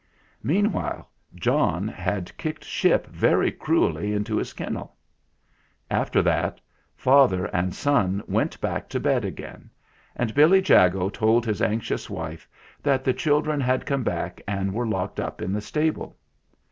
Meanwhile, John had kicked Ship very cruelly into his kennel. After that, father and son went back to bed again, and Billy Jago told his anxious wife that the children had come back and were locked up in the stable.